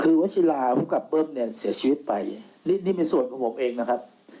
คือวัชิลาภูมิกับเบิ้มเนี่ยเสียชีวิตไปนี่ในส่วนของผมเองนะครับ